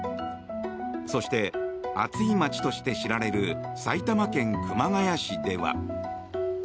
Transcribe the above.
そして、暑い街として知られる埼玉県熊谷市では。